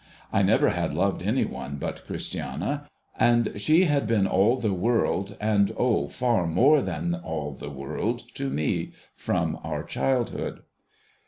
I never had loved any one but Christiana, and she had been all the world, and O far more than all the world, to me, from our childhood